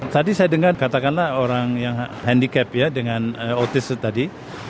tadi saya dengar katakanlah orang yang handicap ya dengan autis tadi